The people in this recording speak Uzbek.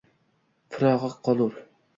Firog’i kolur.